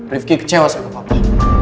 rifki kecewasan sama papa